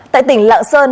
tại tỉnh lạng sơn